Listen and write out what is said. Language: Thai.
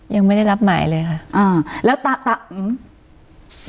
ยังไม่ได้รับหมายเลยค่ะอ่าแล้วตาอืม